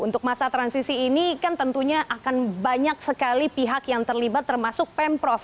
untuk masa transisi ini kan tentunya akan banyak sekali pihak yang terlibat termasuk pemprov